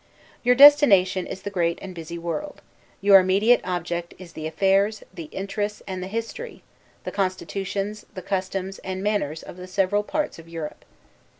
Your destination is the great and busy world; your immediate object is the affairs, the interests, and the history, the constitutions, the customs, and the manners of the several parts of Europe.